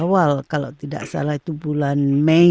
awal kalau tidak salah itu bulan mei